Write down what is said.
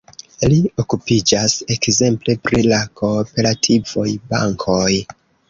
Li okupiĝas ekzemple pri la kooperativoj, bankoj.